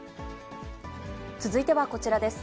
続いてはこちらです。